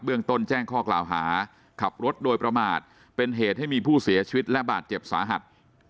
ต้นแจ้งข้อกล่าวหาขับรถโดยประมาทเป็นเหตุให้มีผู้เสียชีวิตและบาดเจ็บสาหัส